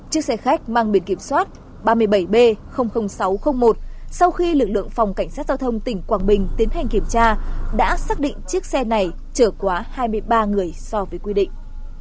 chiếc xe khách mang biển kiểm soát ba mươi bảy b sáu trăm linh một sau khi lực lượng phòng cảnh sát giao thông tỉnh quảng bình tiến hành kiểm tra đã xác định chiếc xe này chở quá hai mươi ba người so với quy định